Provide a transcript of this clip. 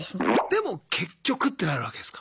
でも結局ってなるわけですか。